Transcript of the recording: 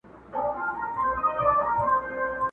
د دې ژوندیو له کتاره به وتلی یمه٫